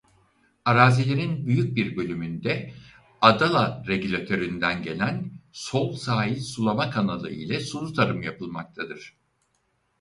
Arazilerin büyük bir bölümünde Adala regülatöründen gelen sol sahil sulama kanalı ile sulu tarım yapılmaktadır.